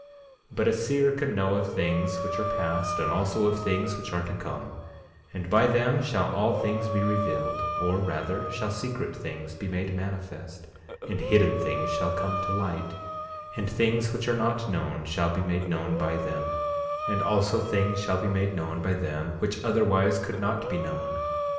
8:17 But a seer can know of things which are past, and also of things which are to come, and by them shall all things be revealed, or, rather, shall secret things be made manifest, and hidden things shall come to light, and things which are not known shall be made known by them, and also things shall be made known by them which otherwise could not be known.